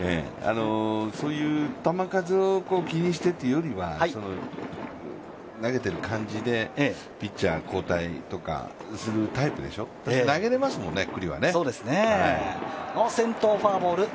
そういう球数を気にしてというよりは投げてる感じでピッチャー交代とかするタイプでしょ？だって投げれますもんね、九里はね